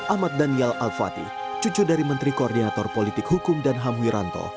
ahmad daniel al fatih cucu dari menteri koordinator politik hukum dan ham wiranto